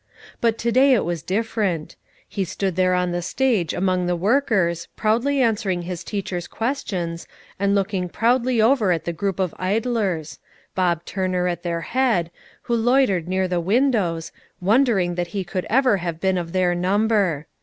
But to day it was different: he stood there on the stage among the workers, proudly answering his teacher's questions, and looking proudly over at the group of idlers, Bob Turner at their head, who loitered near the windows, wondering that he could ever have been of their number.